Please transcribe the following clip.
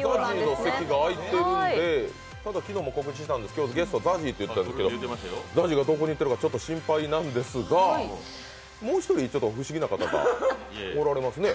ＺＡＺＹの席が空いてるんでただ、昨日告知して、今日、ゲストと言っていたんですが、ＺＡＺＹがどこに行っているかちょっと心配なんですが、もう一人、不思議な方が右上におられますね。